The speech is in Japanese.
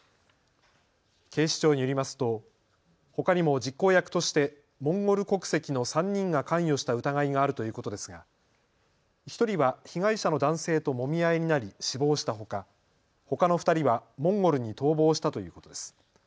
警視庁によりますとほかにも実行役としてモンゴル国籍の３人が関与した疑いがあるということですが１人は被害者の男性ともみ合いになり死亡したほか、ほかの２人はモンゴルに逃亡したということです。